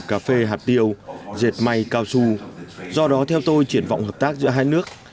cà phê hạt tiêu dệt may cao su do đó theo tôi triển vọng hợp tác giữa hai nước